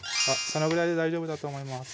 そのぐらいで大丈夫だと思います